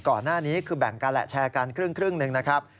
ก่อนหน้านี้คือแบ่งกันแหละแชร์กันครึ่งหนึ่งนะครับ